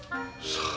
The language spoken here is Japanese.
さあ。